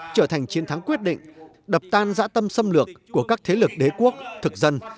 trở thành chiến thắng quyết định đập tan dã tâm xâm lược của các thế lực đế quốc thực dân